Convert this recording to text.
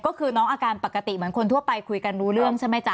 ก็คือน้องอาการปกติเหมือนคนทั่วไปคุยกันรู้เรื่องใช่ไหมจ๊